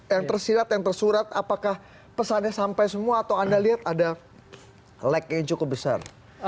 yang tersirat yang tersurat apakah pesannya sampai semua atau anda lihat ada lag yang cukup besar